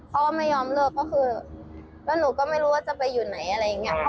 เขาก็ไม่ยอมเลิกก็คือแล้วหนูก็ไม่รู้ว่าจะไปอยู่ไหนอะไรอย่างนี้